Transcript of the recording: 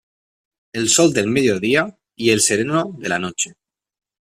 El sol del mediodía y el sereno de la noche.